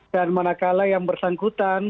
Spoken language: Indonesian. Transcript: dan mana kala yang bersangkutan